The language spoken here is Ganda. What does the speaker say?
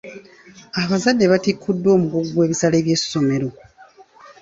Abazadde batikkuddwa omugugu gw'ebisale by'essomero.